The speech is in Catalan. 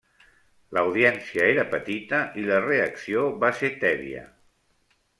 L'audiència era petita i la reacció va ser tèbia.